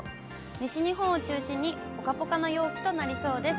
西日本を中心にぽかぽかの陽気となりそうです。